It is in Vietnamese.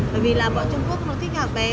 bởi vì là bọn trung quốc nó thích hạt bé